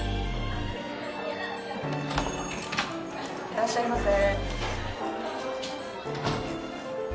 いらっしゃいませ。